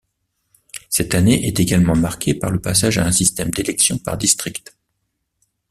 Cette année est également marquée par le passage à un système d'élection par district.